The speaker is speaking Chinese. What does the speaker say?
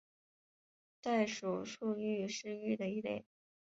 代数数域是域的一类。